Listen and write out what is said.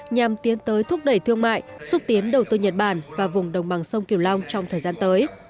nhằm tiến tới thúc đẩy thương mại xúc tiến đầu tư nhật bản và vùng đồng bằng sông kiều long trong thời gian tới